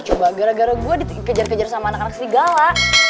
coba gara gara gue dikejar kejar sama anak anak serigala